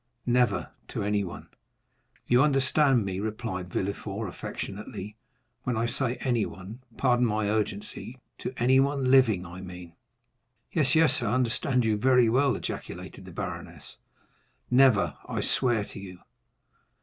"Never, to anyone." "You understand me," replied Villefort, affectionately; "when I say anyone,—pardon my urgency,—to anyone living I mean?" "Yes, yes, I understand very well," ejaculated the baroness; "never, I swear to you."